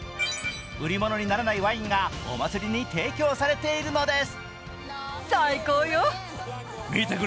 売り物にならないワインがお祭りに提供されているんです。